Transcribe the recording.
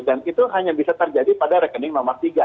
dan itu hanya bisa terjadi pada rekening nomor tiga